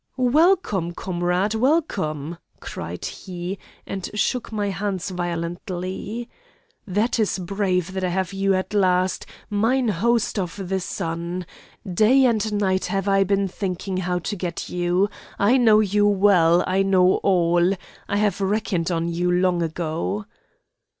"'Welcome, comrade, welcome!' cried he, and shook my hands violently. 'That is brave, that I have you at last, mine host of the Sun. Day and night have I been thinking how to get you. I know you well. I know all. I have reckoned on you long ago.